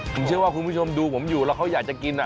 ผมเชื่อว่าคุณผู้ชมดูผมอยู่แล้วเขาอยากจะกิน